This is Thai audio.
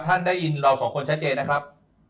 ท่านได้ยินเราสองคนชัดเจนนะครับ